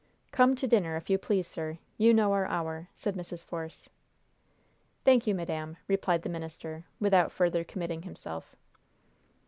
"Come to dinner, if you please, sir. You know our hour," said Mrs. Force. "Thank you, madam," replied the minister, without further committing himself.